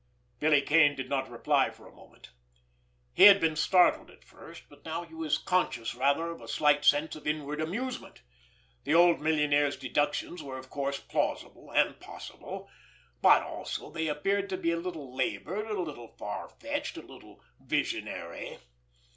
Billy Kane did not reply for a moment. He had been startled at first, but now he was conscious rather of a slight sense of inward amusement. The old millionaire's deductions were, of course, plausible and possible; but, also, they appeared to be a little labored, a little far fetched, a little visionary.